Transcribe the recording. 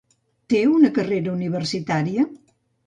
Té una carrera universitària?